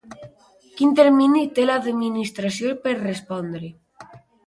Quin termini té l'Administració per respondre?